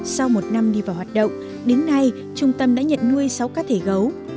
sau một năm đi vào hoạt động đến nay trung tâm đã nhận nuôi sáu cá thể gấu